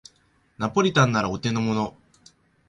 ナポリタンならお手のもの